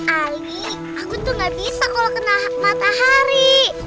aku tuh gak bisa kalo kena matahari